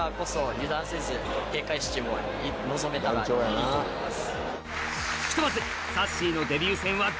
いいと思います。